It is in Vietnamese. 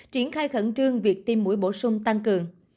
triển khai khẩn trương việc tiêm mũi bổ sung tăng cường